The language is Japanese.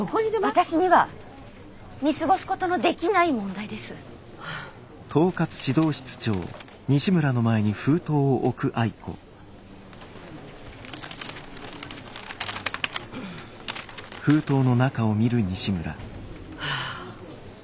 私には見過ごすことのできない問題です。はあ。はあ。